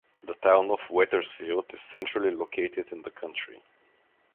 The Town of Wethersfield is centrally located in the county.